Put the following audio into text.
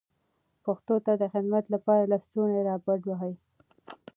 پښتو ته د خدمت لپاره لستوڼي را بډ وهئ.